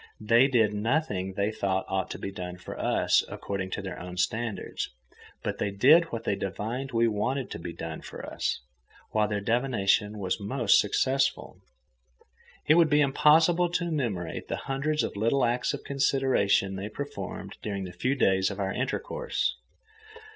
They did nothing they thought ought to be done for us, according to their standards, but they did what they divined we wanted to be done for us, while their divination was most successful. It would be impossible to enumerate the hundreds of little acts of consideration they performed during the few days of our intercourse.